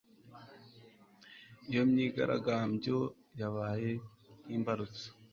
iyo myigaragambyo yabaye nk'imbarutso